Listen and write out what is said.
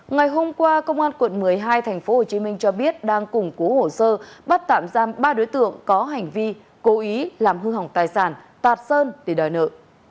ngày hôm qua công an quận một mươi hai tp hcm cho biết đang củng cố hồ sơ bắt tạm giam ba đối tượng có hành vi cố ý làm hư hỏng tài sản tạt sơn để đòi nợ